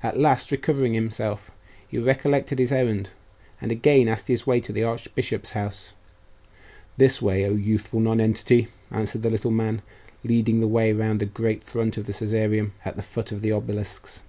At last, recovering himself, he recollected his errand, and again asked his way to the archbishop's house. 'This way, O youthful nonentity!' answered the little man, leading the way round the great front of the Caesareum, at the foot of the obelisks.